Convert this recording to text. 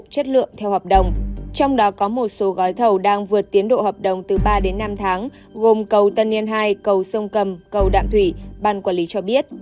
chất lượng theo hợp đồng trong đó có một số gói thầu đang vượt tiến độ hợp đồng từ ba đến năm tháng gồm cầu tân yên hai cầu sông cầm cầu đạm thủy ban quản lý cho biết